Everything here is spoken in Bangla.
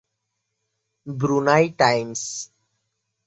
Brunei Times.